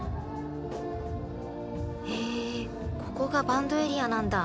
［へえここがバンドエリアなんだ］